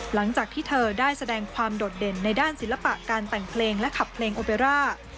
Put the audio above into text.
หลังจากที่เธอได้แสดงความโดดเด่นในด้านศิลปะการแต่งเพลงและขับเพลงโอเบร่า